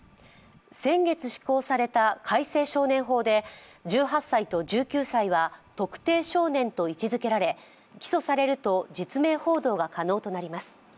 先月、施行された改正少年法で１８歳と１９歳は特定少年と位置づけられ起訴されると実名報道が可能となります。